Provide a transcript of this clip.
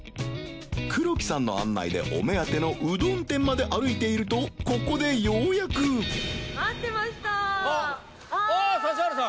黒木さんの案内でお目当てのうどん店まで歩いていると海海ようやく◆指原さん！